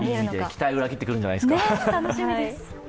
期待を裏切ってくるんじゃないですか。